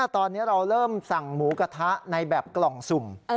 ตอนนี้เราเริ่มสั่งหมูกระทะในแบบกล่องสุ่ม